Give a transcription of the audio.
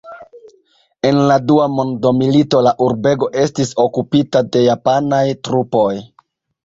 En la dua mondmilito la urbego estis okupita de japanaj trupoj.